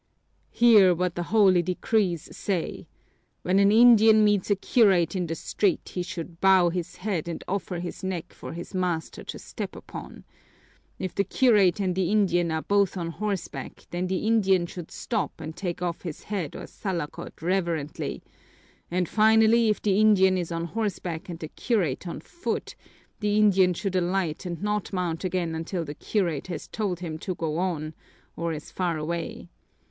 "Hear what the holy decrees say! When an Indian meets a curate in the street he should bow his head and offer his neck for his master to step upon. If the curate and the Indian are both on horseback, then the Indian should stop and take off his hat or salakot reverently; and finally, if the Indian is on horseback and the curate on foot, the Indian should alight and not mount again until the curate has told him to go on, or is far away.